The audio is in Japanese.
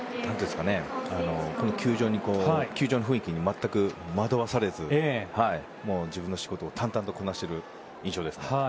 球場の雰囲気に全く惑わされず自分の仕事を淡々とこなしている印象ですね。